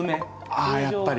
あやっぱり。